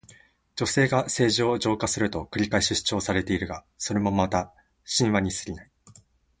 女性が政治を浄化すると繰り返し主張されているが、それもまた神話にすぎない。